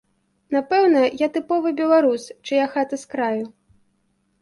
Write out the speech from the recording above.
Напэўна, я тыповы беларус, чыя хата з краю.